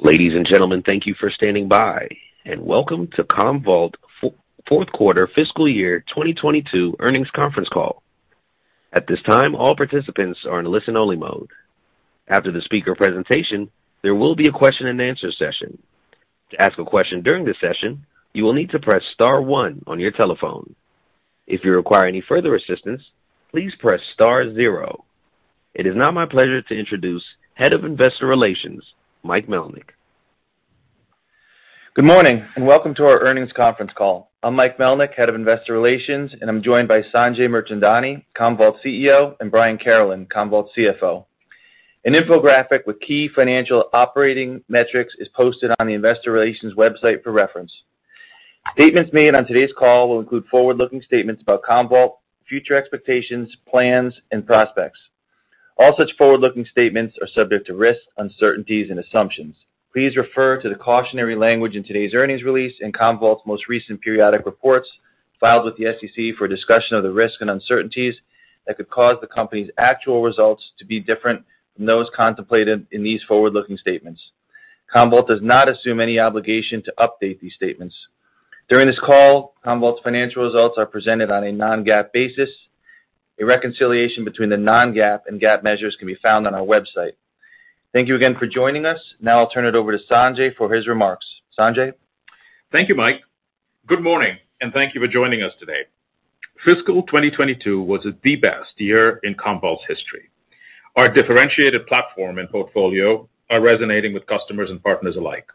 Ladies and gentlemen, thank you for standing by, and welcome to Commvault fourth quarter fiscal year 2022 earnings conference call. At this time, all participants are in listen-only mode. After the speaker presentation, there will be a Q&A session. To ask a question during the session, you will need to press star one on your telephone. If you require any further assistance, please press star zero. It is now my pleasure to introduce Head of Investor Relations, Mike Melnyk. Good morning, and welcome to our earnings conference call. I'm Mike Melnyk, Head of Investor Relations, and I'm joined by Sanjay Mirchandani, Commvault CEO, and Brian Carolan, Commvault CFO. An infographic with key financial operating metrics is posted on the investor relations website for reference. Statements made on today's call will include forward-looking statements about Commvault, future expectations, plans and prospects. All such forward-looking statements are subject to risks, uncertainties and assumptions. Please refer to the cautionary language in today's earnings release and Commvault's most recent periodic reports filed with the SEC for a discussion of the risks and uncertainties that could cause the company's actual results to be different from those contemplated in these forward-looking statements. Commvault does not assume any obligation to update these statements. During this call, Commvault's financial results are presented on a non-GAAP basis. A reconciliation between the non-GAAP and GAAP measures can be found on our website. Thank you again for joining us. Now I'll turn it over to Sanjay for his remarks. Sanjay. Thank you, Mike. Good morning, and thank you for joining us today. Fiscal 2022 was the best year in Commvault's history. Our differentiated platform and portfolio are resonating with customers and partners alike.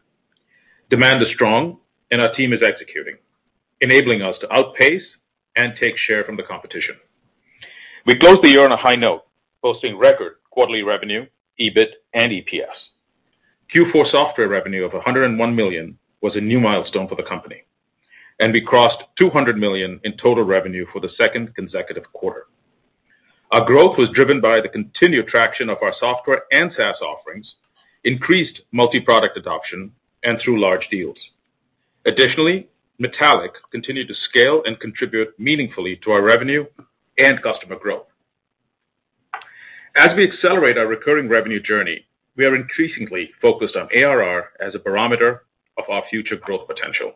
Demand is strong and our team is executing, enabling us to outpace and take share from the competition. We closed the year on a high note, posting record quarterly revenue, EBIT and EPS. Q4 software revenue of $101 million was a new milestone for the company, and we crossed $200 million in total revenue for the second consecutive quarter. Our growth was driven by the continued traction of our software and SaaS offerings, increased multi-product adoption, and through large deals. Additionally, Metallic continued to scale and contribute meaningfully to our revenue and customer growth. As we accelerate our recurring revenue journey, we are increasingly focused on ARR as a barometer of our future growth potential.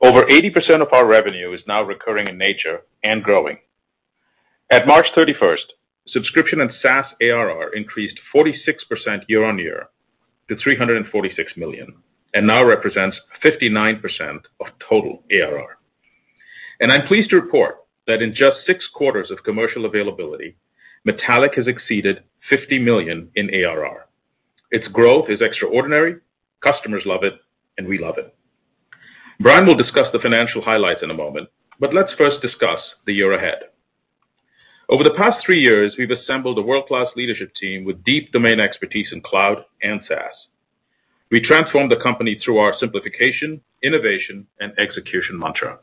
Over 80% of our revenue is now recurring in nature and growing. At March 31st, subscription and SaaS ARR increased 46% year-on-year to $346 million, and now represents 59% of total ARR. I'm pleased to report that in just 6 quarters of commercial availability, Metallic has exceeded $50 million in ARR. Its growth is extraordinary. Customers love it and we love it. Brian will discuss the financial highlights in a moment, but let's first discuss the year ahead. Over the past three years, we've assembled a world-class leadership team with deep domain expertise in cloud and SaaS. We transformed the company through our simplification, innovation and execution mantra.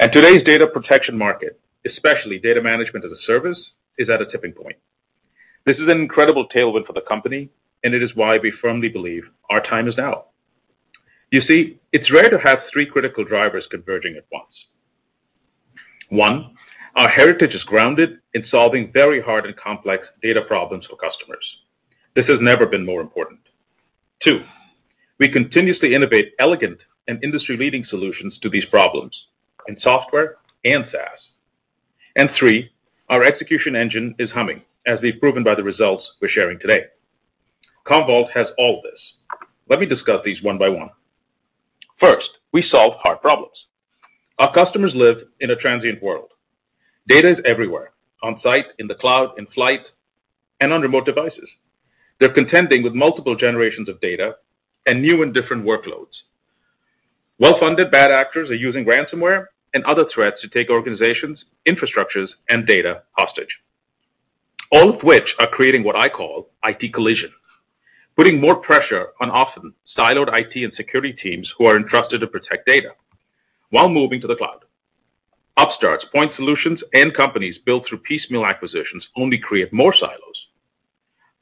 Today's data protection market, especially data management as a service, is at a tipping point. This is an incredible tailwind for the company and it is why we firmly believe our time is now. You see, it's rare to have three critical drivers converging at once. One, our heritage is grounded in solving very hard and complex data problems for customers. This has never been more important. Two, we continuously innovate elegant and industry-leading solutions to these problems in software and SaaS. Three, our execution engine is humming as they've proven by the results we're sharing today. Commvault has all this. Let me discuss these one by one. First, we solve hard problems. Our customers live in a transient world. Data is everywhere, on site, in the cloud, in flight, and on remote devices. They're contending with multiple generations of data and new and different workloads. Well-funded bad actors are using ransomware and other threats to take organizations, infrastructures, and data hostage. All of which are creating what I call IT collision, putting more pressure on often siloed IT and security teams who are entrusted to protect data while moving to the cloud. Upstarts point solutions and companies built through piecemeal acquisitions only create more silos.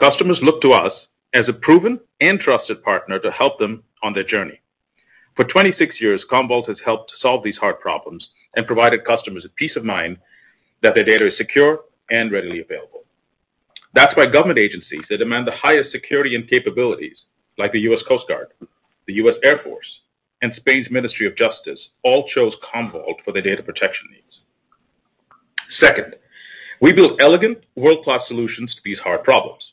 Customers look to us as a proven and trusted partner to help them on their journey. For 26 years, Commvault has helped solve these hard problems and provided customers a peace of mind that their data is secure and readily available. That's why government agencies that demand the highest security and capabilities, like the U.S. Coast Guard, the U.S. Air Force, and Spain's Ministry of Justice, all chose Commvault for their data protection needs. Second, we build elegant world-class solutions to these hard problems.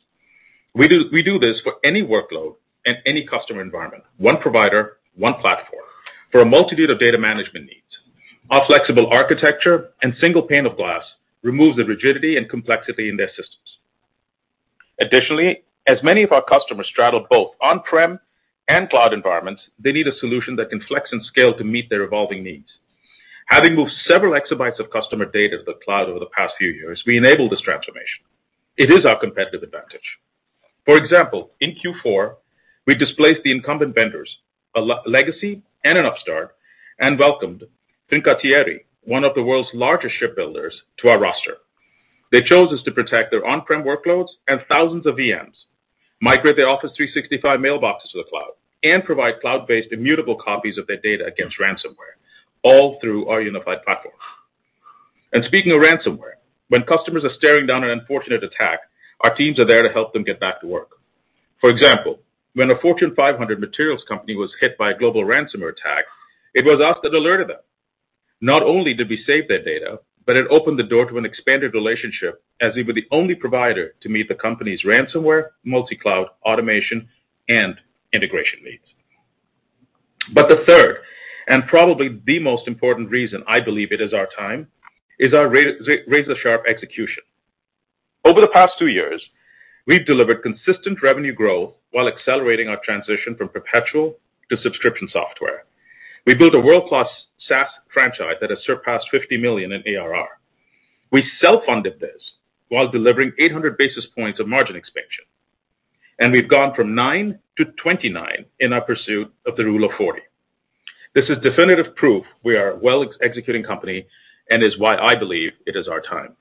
We do this for any workload and any customer environment. One provider, one platform for a multitude of data management needs. Our flexible architecture and single pane of glass removes the rigidity and complexity in their systems. Additionally, as many of our customers straddle both on-prem and cloud environments, they need a solution that can flex and scale to meet their evolving needs. Having moved several exabytes of customer data to the cloud over the past few years, we enable this transformation. It is our competitive advantage. For example, in Q4, we displaced the incumbent vendors, a legacy and an upstart, and welcomed Fincantieri, one of the world's largest shipbuilders, to our roster. They chose us to protect their on-prem workloads and thousands of VMs, migrate their Office 365 mailboxes to the cloud, and provide cloud-based immutable copies of their data against ransomware, all through our unified platform. Speaking of ransomware, when customers are staring down an unfortunate attack, our teams are there to help them get back to work. For example, when a Fortune 500 materials company was hit by a global ransomware attack, it was us that alerted them. Not only did we save their data, but it opened the door to an expanded relationship as we were the only provider to meet the company's ransomware, multi-cloud, automation, and integration needs. The third, and probably the most important reason I believe it is our time, is our razor-sharp execution. Over the past two years, we've delivered consistent revenue growth while accelerating our transition from perpetual to subscription software. We built a world-class SaaS franchise that has surpassed $50 million in ARR. We self-funded this while delivering 800 basis points of margin expansion, and we've gone from nine to 29 in our pursuit of the rule of 40. This is definitive proof we are a well executing company and is why I believe it is our time.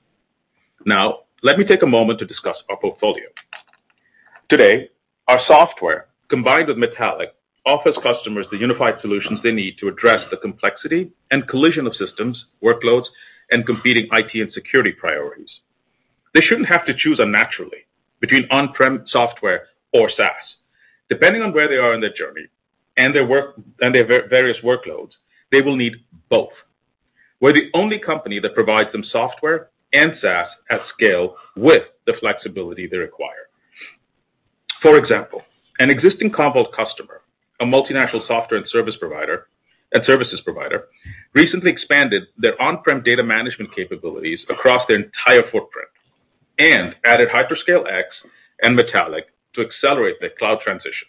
Now, let me take a moment to discuss our portfolio. Today, our software, combined with Metallic, offers customers the unified solutions they need to address the complexity and collision of systems, workloads, and competing IT and security priorities. They shouldn't have to choose unnaturally between on-prem software or SaaS. Depending on where they are in their journey and their work and their various workloads, they will need both. We're the only company that provides them software and SaaS at scale with the flexibility they require. For example, an existing Commvault customer, a multinational software and services provider, recently expanded their on-prem data management capabilities across their entire footprint and added HyperScale X and Metallic to accelerate their cloud transition.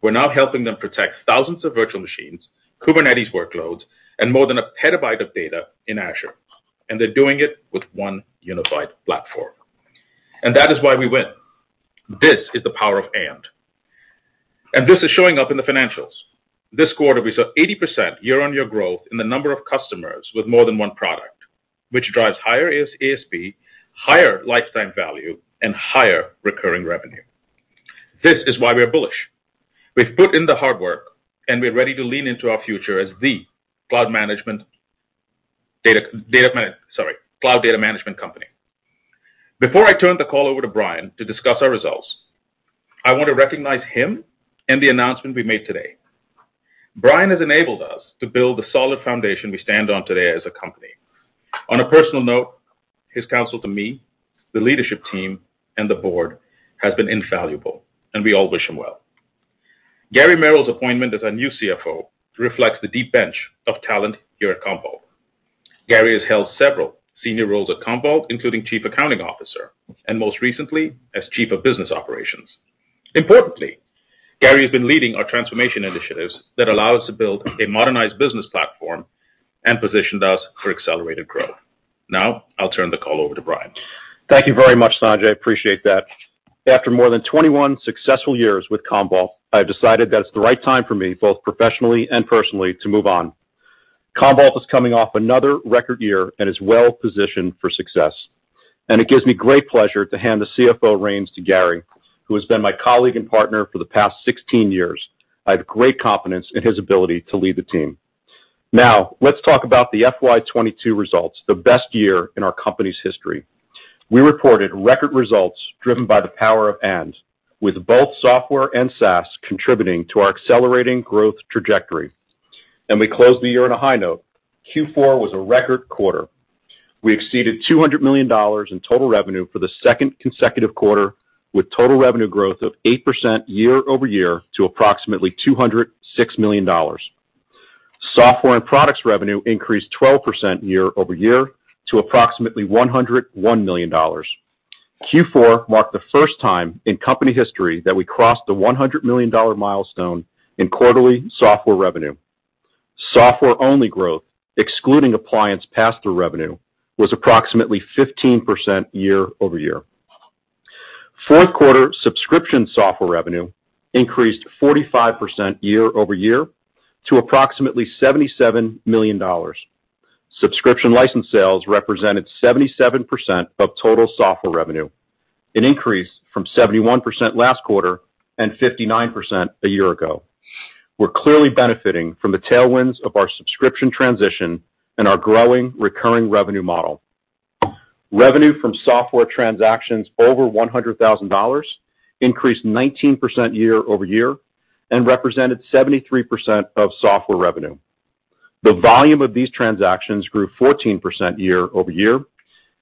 We're now helping them protect thousands of virtual machines, Kubernetes workloads, and more than a petabyte of data in Azure, and they're doing it with one unified platform. That is why we win. This is the power of "and." This is showing up in the financials. This quarter, we saw 80% year-on-year growth in the number of customers with more than one product, which drives higher ASP, higher lifetime value, and higher recurring revenue. This is why we are bullish. We've put in the hard work, and we're ready to lean into our future as the cloud data management company. Before I turn the call over to Brian to discuss our results, I want to recognize him and the announcement we made today. Brian has enabled us to build the solid foundation we stand on today as a company. On a personal note, his counsel to me, the leadership team, and the board has been invaluable, and we all wish him well. Gary Merrill's appointment as our new CFO reflects the deep bench of talent here at Commvault. Gary has held several senior roles at Commvault, including chief accounting officer and most recently, as chief of business operations. Importantly, Gary has been leading our transformation initiatives that allow us to build a modernized business platform and positioned us for accelerated growth. Now, I'll turn the call over to Brian. Thank you very much, Sanjay. I appreciate that. After more than 21 successful years with Commvault, I have decided that it's the right time for me, both professionally and personally, to move on. Commvault is coming off another record year and is well-positioned for success, and it gives me great pleasure to hand the CFO reins to Gary, who has been my colleague and partner for the past 16 years. I have great confidence in his ability to lead the team. Now, let's talk about the FY 2022 results, the best year in our company's history. We reported record results driven by the power of "and," with both software and SaaS contributing to our accelerating growth trajectory. We closed the year on a high note. Q4 was a record quarter. We exceeded $200 million in total revenue for the second consecutive quarter, with total revenue growth of 8% year-over-year to approximately $206 million. Software and products revenue increased 12% year-over-year to approximately $101 million. Q4 marked the first time in company history that we crossed the $100 million milestone in quarterly software revenue. Software-only growth, excluding appliance pass-through revenue, was approximately 15% year-over-year. Fourth quarter subscription software revenue increased 45% year-over-year to approximately $77 million. Subscription license sales represented 77% of total software revenue, an increase from 71% last quarter and 59% a year ago. We're clearly benefiting from the tailwinds of our subscription transition and our growing recurring revenue model. Revenue from software transactions over $100,000 increased 19% year-over-year and represented 73% of software revenue. The volume of these transactions grew 14% year-over-year,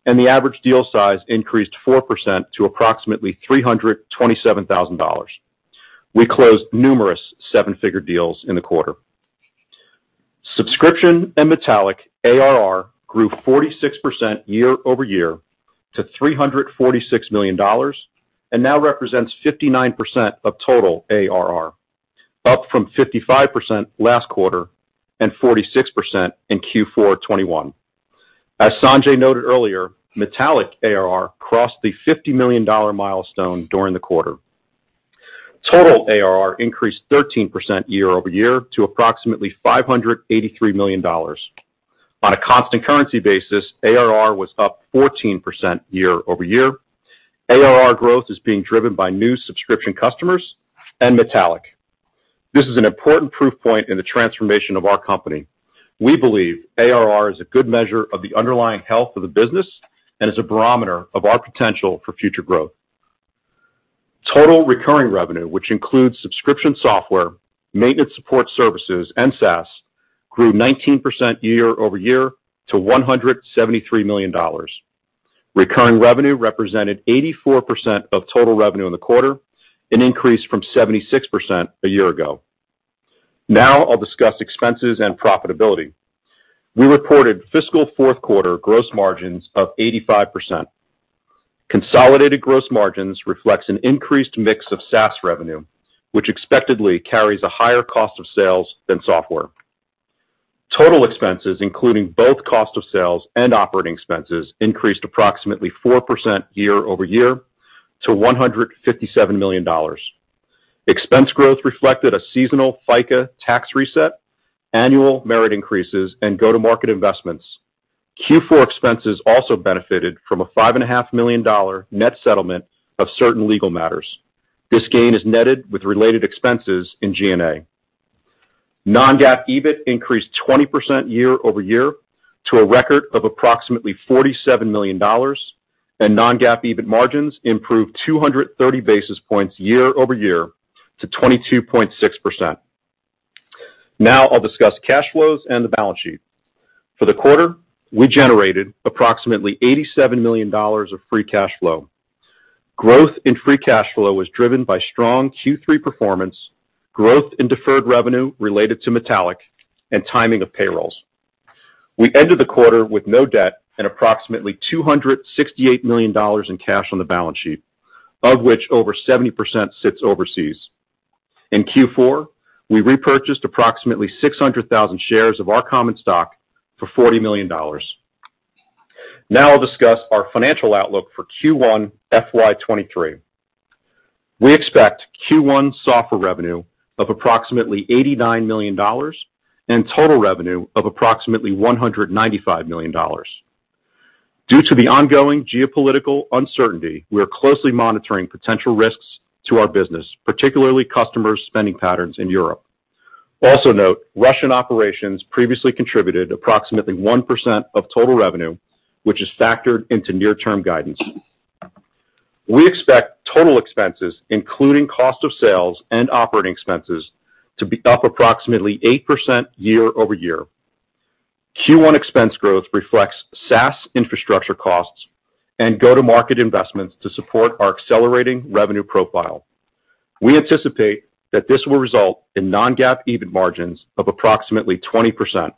and the average deal size increased 4% to approximately $327,000. We closed numerous seven-figure deals in the quarter. Subscription and Metallic ARR grew 46% year-over-year to $346 million and now represents 59% of total ARR, up from 55% last quarter and 46% in Q4 2021. As Sanjay noted earlier, Metallic ARR crossed the $50 million milestone during the quarter. Total ARR increased 13% year-over-year to approximately $583 million. On a constant currency basis, ARR was up 14% year-over-year. ARR growth is being driven by new subscription customers and Metallic. This is an important proof point in the transformation of our company. We believe ARR is a good measure of the underlying health of the business and is a barometer of our potential for future growth. Total recurring revenue, which includes subscription software, maintenance support services, and SaaS, grew 19% year-over-year to $173 million. Recurring revenue represented 84% of total revenue in the quarter, an increase from 76% a year ago. Now I'll discuss expenses and profitability. We reported fiscal fourth quarter gross margins of 85%. Consolidated gross margins reflects an increased mix of SaaS revenue, which expectedly carries a higher cost of sales than software. Total expenses, including both cost of sales and operating expenses, increased approximately 4% year-over-year to $157 million. Expense growth reflected a seasonal FICA tax reset, annual merit increases, and go-to-market investments. Q4 expenses also benefited from a five and a half million dollar net settlement of certain legal matters. This gain is netted with related expenses in G&A. Non-GAAP EBIT increased 20% year-over-year to a record of approximately $47 million, and non-GAAP EBIT margins improved 230 basis points year-over-year to 22.6%. Now I'll discuss cash flows and the balance sheet. For the quarter, we generated approximately $87 million of free cash flow. Growth in free cash flow was driven by strong Q3 performance, growth in deferred revenue related to Metallic, and timing of payrolls. We ended the quarter with no debt and approximately $268 million in cash on the balance sheet, of which over 70% sits overseas. In Q4, we repurchased approximately 600,000 shares of our common stock for $40 million. Now I'll discuss our financial outlook for Q1 FY 2023. We expect Q1 software revenue of approximately $89 million and total revenue of approximately $195 million. Due to the ongoing geopolitical uncertainty, we are closely monitoring potential risks to our business, particularly customers' spending patterns in Europe. Also note Russian operations previously contributed approximately 1% of total revenue, which is factored into near-term guidance. We expect total expenses, including cost of sales and operating expenses, to be up approximately 8% year-over-year. Q1 expense growth reflects SaaS infrastructure costs and go-to-market investments to support our accelerating revenue profile. We anticipate that this will result in non-GAAP EBIT margins of approximately 20%.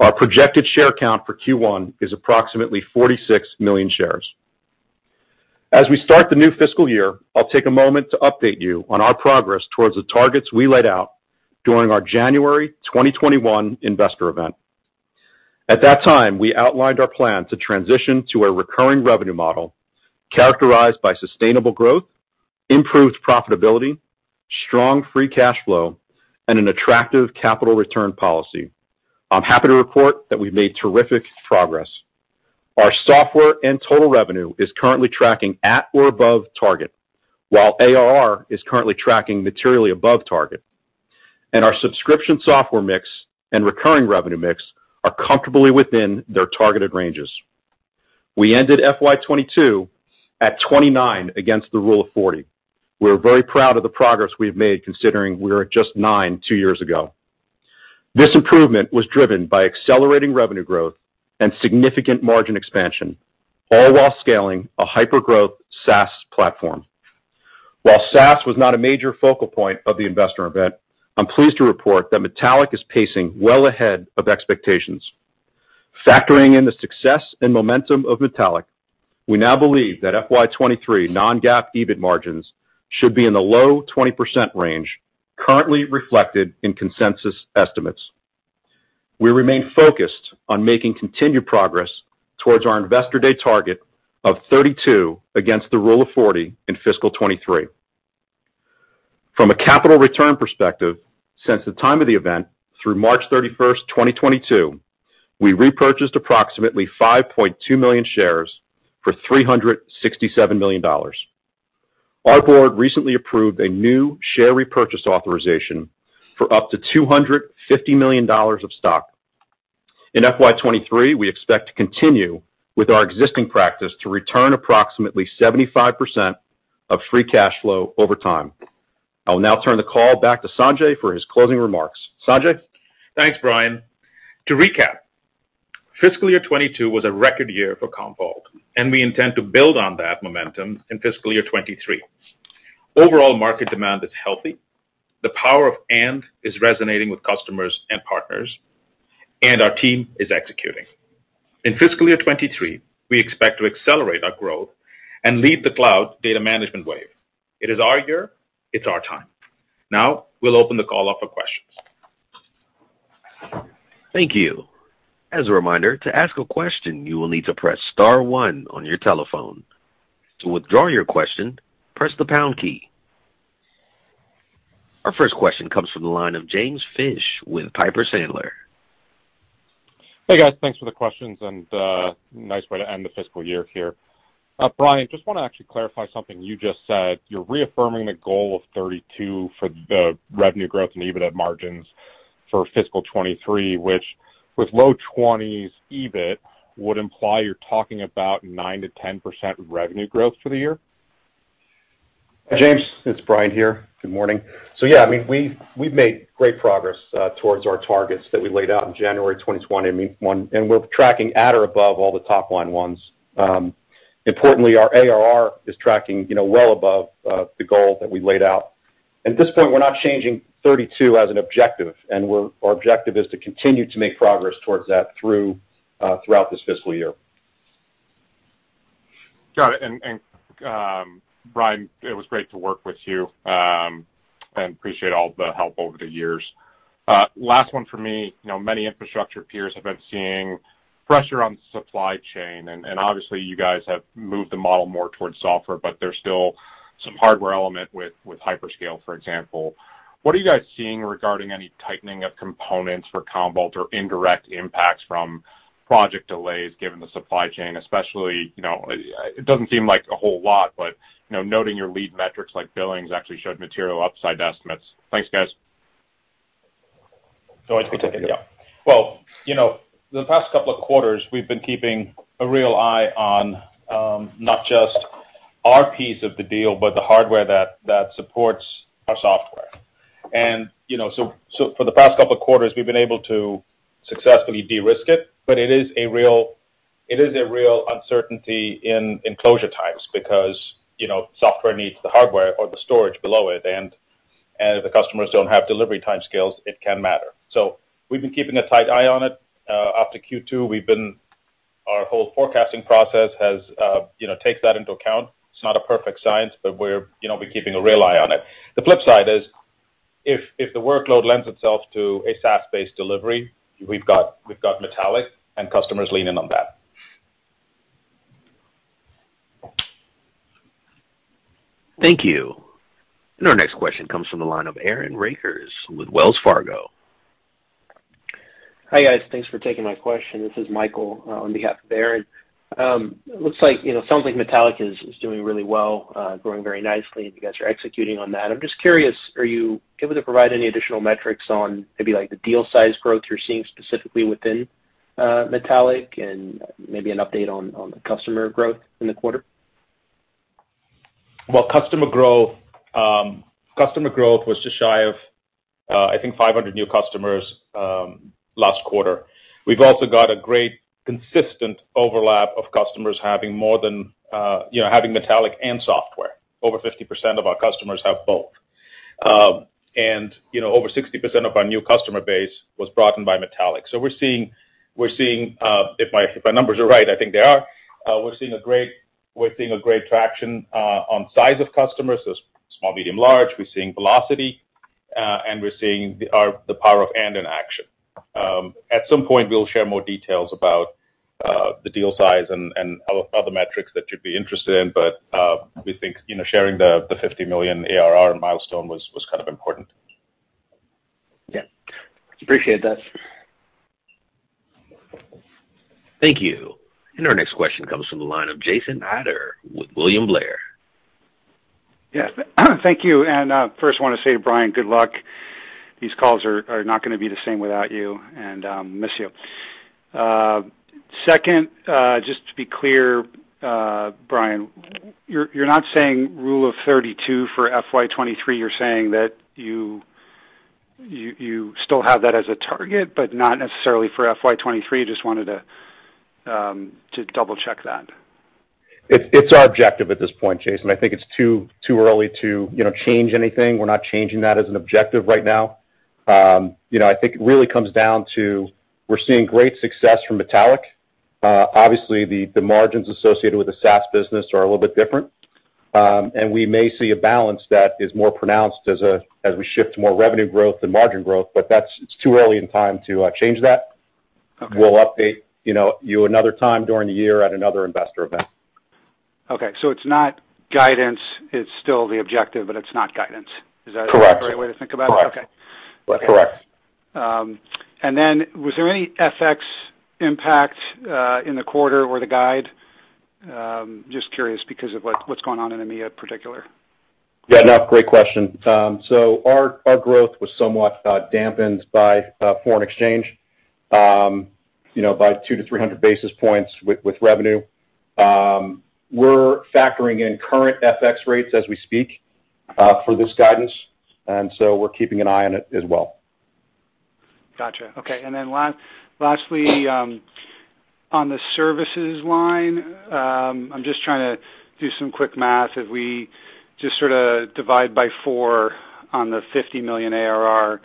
Our projected share count for Q1 is approximately 46 million shares. As we start the new fiscal year, I'll take a moment to update you on our progress towards the targets we laid out during our January 2021 investor event. At that time, we outlined our plan to transition to a recurring revenue model characterized by sustainable growth, improved profitability, strong free cash flow, and an attractive capital return policy. I'm happy to report that we've made terrific progress. Our software and total revenue is currently tracking at or above target, while ARR is currently tracking materially above target. Our subscription software mix and recurring revenue mix are comfortably within their targeted ranges. We ended FY 2022 at 29 against the rule of forty. We're very proud of the progress we have made, considering we were at just nine two years ago. This improvement was driven by accelerating revenue growth and significant margin expansion, all while scaling a hyper-growth SaaS platform. While SaaS was not a major focal point of the investor event, I'm pleased to report that Metallic is pacing well ahead of expectations. Factoring in the success and momentum of Metallic, we now believe that FY 2023 non-GAAP EBIT margins should be in the low 20% range, currently reflected in consensus estimates. We remain focused on making continued progress towards our investor day target of 32 against the rule of 40 in fiscal 2023. From a capital return perspective, since the time of the event through March 31st, 2022, we repurchased approximately 5.2 million shares for $367 million. Our board recently approved a new share repurchase authorization for up to $250 million of stock. In FY 2023, we expect to continue with our existing practice to return approximately 75% of free cash flow over time. I will now turn the call back to Sanjay for his closing remarks. Sanjay? Thanks, Brian. To recap, fiscal year 2022 was a record year for Commvault, and we intend to build on that momentum in fiscal year 2023. Overall market demand is healthy. The power of And is resonating with customers and partners, and our team is executing. In fiscal year 2023, we expect to accelerate our growth and lead the cloud data management wave. It is our year, it's our time. Now, we'll open the call up for questions. Thank you. As a reminder, to ask a question, you will need to press star one on your telephone. To withdraw your question, press the pound key. Our first question comes from the line of James Fish with Piper Sandler. Hey guys, thanks for the questions and, nice way to end the fiscal year here. Brian, just wanna actually clarify something you just said. You're reaffirming the goal of 32 for the revenue growth and EBITDA margins for fiscal 2023, which with low 20s EBIT would imply you're talking about 9%-10% revenue growth for the year? James, it's Brian here. Good morning. Yeah, I mean, we've made great progress towards our targets that we laid out in January 2021, and we're tracking at or above all the top line ones. Importantly, our ARR is tracking, you know, well above the goal that we laid out. At this point, we're not changing 32 as an objective, and our objective is to continue to make progress towards that through throughout this fiscal year. Got it. Brian, it was great to work with you, and appreciate all the help over the years. Last one for me. You know, many infrastructure peers have been seeing pressure on supply chain, and obviously you guys have moved the model more towards software, but there's still some hardware element with hyperscale, for example. What are you guys seeing regarding any tightening of components for Commvault or indirect impacts from project delays given the supply chain, especially, you know, it doesn't seem like a whole lot, but, you know, noting your lead metrics like billings actually showed material upside estimates. Thanks, guys. Well, you know, the past couple of quarters we've been keeping a real eye on, not just our piece of the deal, but the hardware that supports our software. You know, so for the past couple of quarters we've been able to successfully de-risk it. But it is a real uncertainty in enclosure types because, you know, software needs the hardware or the storage below it, and if the customers don't have delivery time scales, it can matter. We've been keeping a tight eye on it. After Q2, our whole forecasting process has, you know, takes that into account. It's not a perfect science, but we're, you know, keeping a real eye on it. The flip side is if the workload lends itself to a SaaS-based delivery, we've got Metallic and customers lean in on that. Thank you. Our next question comes from the line of Aaron Rakers with Wells Fargo. Hi, guys. Thanks for taking my question. This is Michael on behalf of Aaron. Looks like, you know, sounds like Metallic is doing really well, growing very nicely, and you guys are executing on that. I'm just curious, are you able to provide any additional metrics on maybe like the deal size growth you're seeing specifically within Metallic and maybe an update on the customer growth in the quarter? Well, customer growth was just shy of, I think 500 new customers last quarter. We've also got a great consistent overlap of customers having more than, you know, having Metallic and software. Over 50% of our customers have both. You know, over 60% of our new customer base was brought in by Metallic. We're seeing, if my numbers are right, I think they are, a great traction on size of customers, so small, medium, large. We're seeing velocity, and we're seeing the Power of And in action. At some point, we'll share more details about the deal size and other metrics that you'd be interested in, but we think, you know, sharing the $50 million ARR milestone was kind of important. Yeah. Appreciate that. Thank you. Our next question comes from the line of Jason Ader with William Blair. Yeah. Thank you. First wanna say to Brian, good luck. These calls are not gonna be the same without you and miss you. Second, just to be clear, Brian, you're not saying rule of thirty-two for FY 2023. You're saying that you still have that as a target, but not necessarily for FY 2023. Just wanted to double-check that. It's our objective at this point, Jason. I think it's too early to, you know, change anything. We're not changing that as an objective right now. You know, I think it really comes down to we're seeing great success from Metallic. Obviously, the margins associated with the SaaS business are a little bit different. We may see a balance that is more pronounced as we shift more revenue growth than margin growth, but that's too early in time to change that. Okay. We'll update you know, another time during the year at another investor event. Okay. It's not guidance. It's still the objective, but it's not guidance. Is that? Correct. The right way to think about it? Correct. Okay. Correct. Was there any FX impact in the quarter or the guide? Just curious because of, like, what's going on in EMEA, particularly. Yeah, no, great question. Our growth was somewhat dampened by foreign exchange, you know, by 200-300 basis points with revenue. We're factoring in current FX rates as we speak for this guidance, and so we're keeping an eye on it as well. Gotcha. Okay. Lastly, on the services line, I'm just trying to do some quick math. If we just sorta divide by four on the $50 million ARR,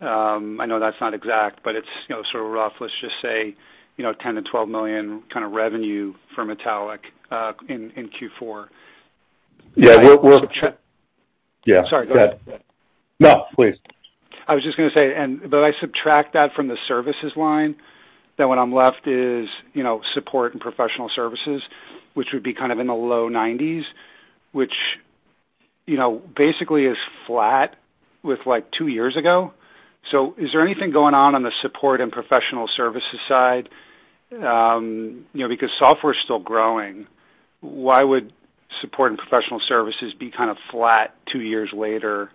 I know that's not exact, but it's, you know, sort of rough, let's just say, you know, $10 million-$12 million kinda revenue for Metallic, in Q4. Yeah. We'll Sorry, go ahead. No, please. I was just gonna say, and do I subtract that from the services line? What I'm left is, you know, support and professional services, which would be kind of in the low 90s, which you know, basically is flat with like two years ago. Is there anything going on on the support and professional services side? You know, because software is still growing, why would support and professional services be kind of flat two years later?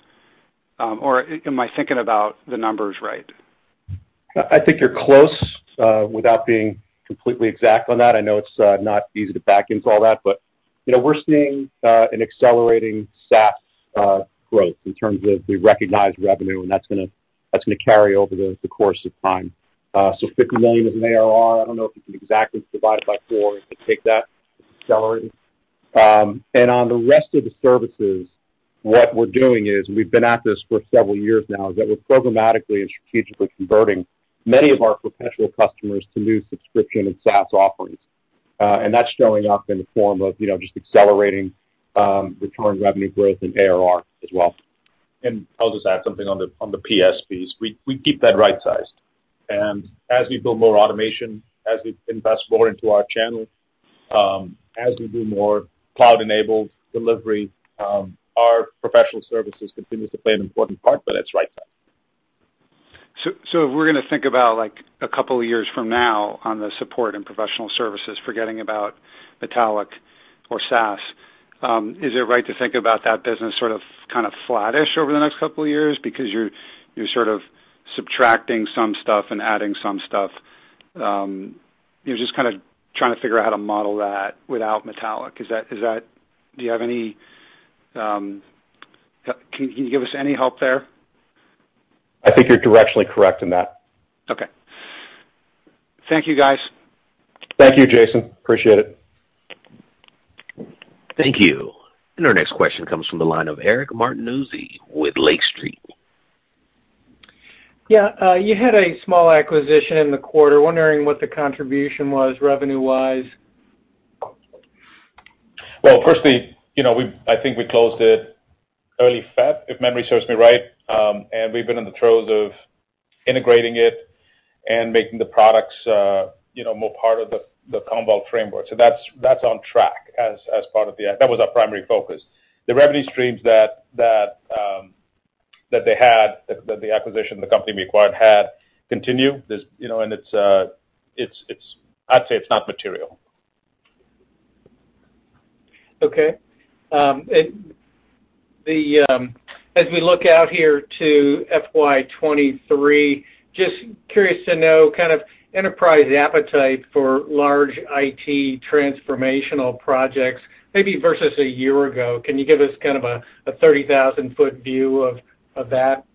Or am I thinking about the numbers right? I think you're close without being completely exact on that. I know it's not easy to back into all that, but you know we're seeing an accelerating SaaS growth in terms of the recognized revenue, and that's gonna carry over the course of time. $50 million is an ARR. I don't know if you can exactly divide it by four to get that quarterly. On the rest of the services, what we're doing is we've been at this for several years now is that we're programmatically and strategically converting many of our perpetual customers to new subscription and SaaS offerings. That's showing up in the form of you know just accelerating recurring revenue growth and ARR as well. I'll just add something on the PS piece. We keep that right-sized. As we build more automation, as we invest more into our channel, as we do more cloud-enabled delivery, our professional services continues to play an important part, but it's right-sized. If we're going to think about like a couple of years from now on the support and professional services, forgetting about Metallic or SaaS, is it right to think about that business sort of, kind of flattish over the next couple of years because you're sort of subtracting some stuff and adding some stuff? You're just kinda trying to figure out how to model that without Metallic. Is that? Can you give us any help there? I think you're directionally correct in that. Okay. Thank you, guys. Thank you, Jason. Appreciate it. Thank you. Our next question comes from the line of Eric Martinuzzi with Lake Street. Yeah. You had a small acquisition in the quarter. Wondering what the contribution was revenue-wise. Well, firstly, you know, I think we closed it early February, if memory serves me right. We've been in the throes of integrating it and making the products, you know, more part of the Commvault framework. That's on track. That was our primary focus. The revenue streams that they had, that the acquisition, the company we acquired had, continue this, you know, and it's. I'd say it's not material. As we look out here to FY 2023, just curious to know kind of enterprise appetite for large IT transformational projects, maybe versus a year ago. Can you give us kind of a 30,000-ft view of that?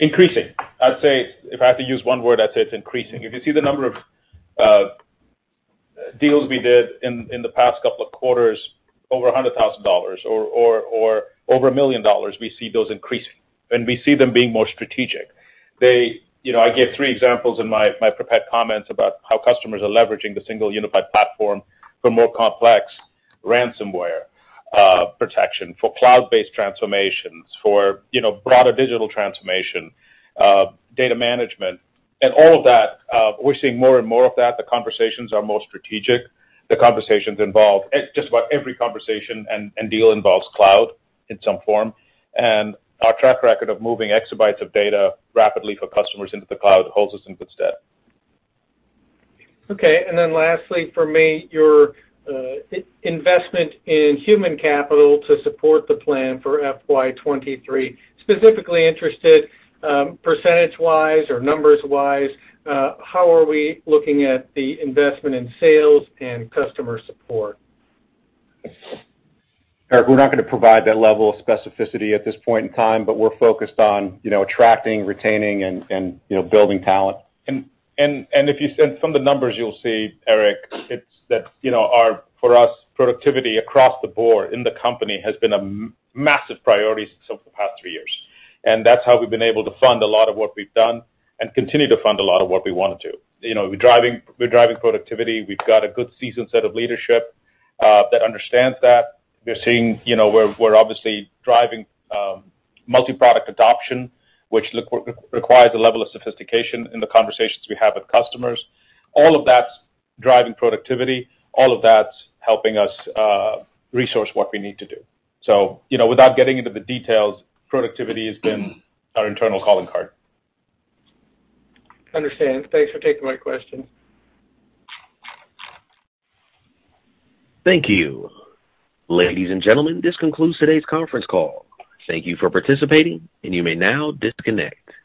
Increasing. I'd say if I had to use one word, I'd say it's increasing. If you see the number of deals we did in the past couple of quarters over $100,000 or over $1 million, we see those increasing, and we see them being more strategic. They, you know, I gave three examples in my prepared comments about how customers are leveraging the single unified platform for more complex ransomware protection, for cloud-based transformations, for, you know, broader digital transformation, data management. And all of that, we're seeing more and more of that. The conversations are more strategic. The conversations involve just about every conversation and deal involves cloud in some form. Our track record of moving exabytes of data rapidly for customers into the cloud holds us in good stead. Okay. Lastly for me, your investment in human capital to support the plan for FY 2023. Specifically interested, percentage-wise or numbers-wise, how are we looking at the investment in sales and customer support? Eric, we're not going to provide that level of specificity at this point in time, but we're focused on, you know, attracting, retaining and you know, building talent. From the numbers, you'll see, Eric, it's that, you know, for us, productivity across the board in the company has been a massive priority since over the past three years. That's how we've been able to fund a lot of what we've done and continue to fund a lot of what we want to. You know, we're driving productivity. We've got a good seasoned set of leadership that understands that. We're seeing, you know, we're obviously driving multi-product adoption, which requires a level of sophistication in the conversations we have with customers. All of that's driving productivity, all of that's helping us resource what we need to do. You know, without getting into the details, productivity has been our internal calling card. Understand. Thanks for taking my questions. Thank you. Ladies and gentlemen, this concludes today's conference call. Thank you for participating, and you may now disconnect.